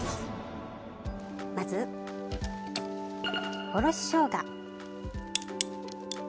まずおろししょうが。